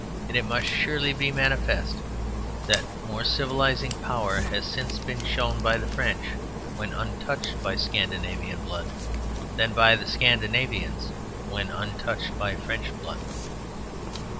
And it must surely be manifest that more civilizing power has since been shown by the French when untouched by Scandinavian blood than by the Scandinavians when untouched by French blood.